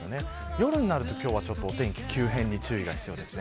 夜になるとお天気の急変に注意が必要です。